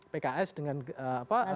pks dengan apa